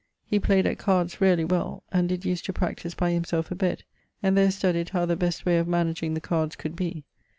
He playd at cards rarely well, and did use to practise by himselfe a bed, and there studyed how the best way of managing the cards could be.